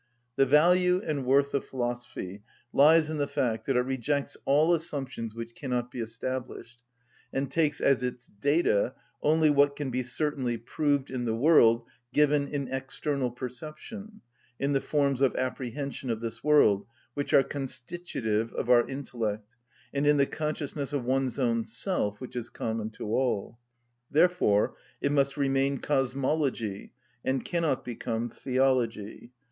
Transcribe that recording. The value and worth of philosophy lies in the fact that it rejects all assumptions which cannot be established, and takes as its data only what can be certainly proved in the world given in external perception, in the forms of apprehension of this world, which are constitutive of our intellect, and in the consciousness of one's own self which is common to all. Therefore it must remain cosmology, and cannot become theology.